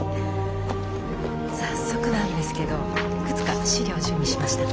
早速なんですけどいくつか資料を準備しました。